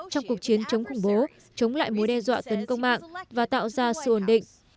trong cuộc chiến chống khủng bố chống lại mối đe dọa tấn công mạng và tạo ra sự ổn định